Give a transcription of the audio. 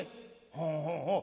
「ほうほうほう。